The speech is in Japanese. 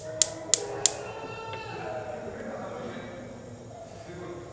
村上宗隆のムネ、すごい！